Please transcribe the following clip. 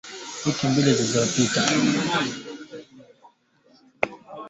Wiki mbili zilizopita, ghasia zilizochochewa na watu wanaoshukiwa kuwa wafuasi wa chama tawala cha ZANU PF